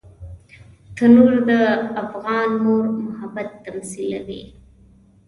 تنور د افغان مور محبت تمثیلوي